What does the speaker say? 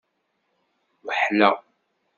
Weḥleɣ.